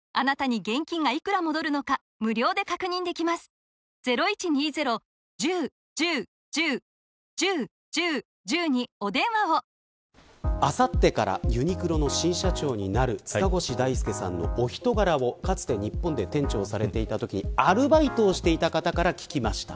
ブランド開発と同時に商品開発をやらなきゃいけないあさってからユニクロの新社長になる塚越大介さんのお人柄を、かつて日本で店長をされていたときアルバイトをしていた方から聞きました。